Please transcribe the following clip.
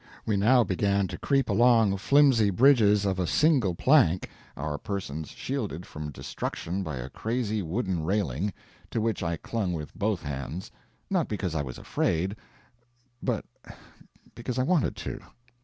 We now began to creep along flimsy bridges of a single plank, our persons shielded from destruction by a crazy wooden railing, to which I clung with both hands not because I was afraid, but because I wanted to.